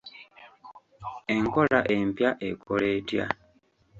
Enkola empya ekola etya?